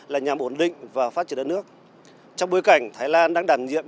là nhằm ổn định và phát triển đất nước trong bối cảnh thái lan đang đảm nhiệm